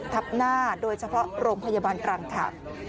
ทับหน้าโดยเฉพาะโรงพยาบาลตรังค่ะ